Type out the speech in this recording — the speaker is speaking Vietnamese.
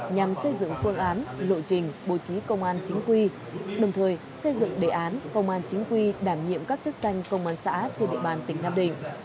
nhằm xây dựng phương án lộ trình bố trí công an chính quy đồng thời xây dựng đề án công an chính quy đảm nhiệm các chức danh công an xã trên địa bàn tỉnh nam định